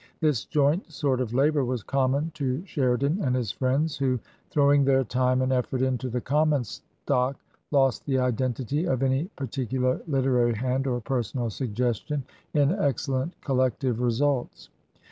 This joint sort of labour was common to Sheridan and his friends, who, throwing their time and effort into the common stock, lost the identity of any particular literary hand or personal suggestion in excel i6o TRANSITION. lent collective results.